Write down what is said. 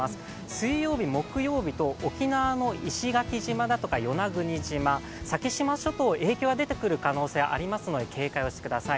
水曜日、木曜日と沖縄の石垣島だとか与那国島、先島諸島に影響が出てくる可能性がありますので警戒をしてください。